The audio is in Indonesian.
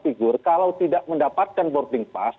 figur kalau tidak mendapatkan boarding pass